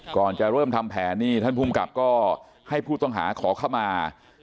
ก่อนจะเริ่มทำแผนนี่ท่านภูมิกับก็ให้ผู้ต้องหาขอเข้ามา